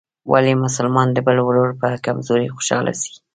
ولي مسلمان د بل ورور په کمزورۍ خوشحاله سي؟